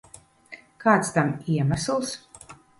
Kāds tam iemesls?